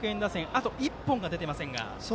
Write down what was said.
あと１本が出ていませんが。